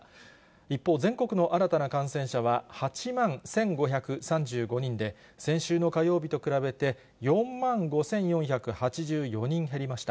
一方、全国の新たな感染者は８万１５３５人で、先週の火曜日と比べて４万５４８４人減りました。